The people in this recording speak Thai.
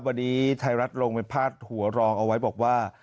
วันนี้ไทยรัฐลงไปพาดหัวรองเอาไว้บอกว่า